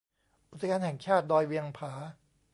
อุทยานแห่งชาติดอยเวียงผา